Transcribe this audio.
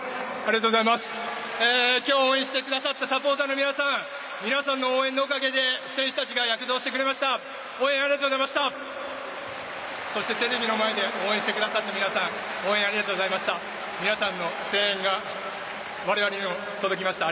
今日、応援してくださったサポーターの皆さん皆さんの応援のおかげで選手たちが躍動してくれました。